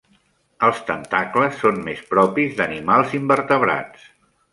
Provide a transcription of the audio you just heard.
Els tentacles són més propis d'animals invertebrats.